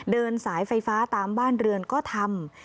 เดินสายไฟฟ้าตามบ้านเรือนก็ทำ